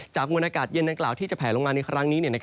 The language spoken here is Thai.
มวลอากาศเย็นดังกล่าวที่จะแผลลงมาในครั้งนี้